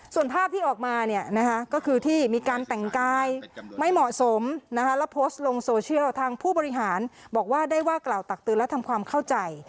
ส่วนภาพที่ออกมาก็คือที่มีการแต่งกายไม่เหมาะสมแล้วโพสต์ลงโซเชียลทางผู้บริหารบอกว่าได้ว่ากล่าวตักเตือนและทำความเข้าใจ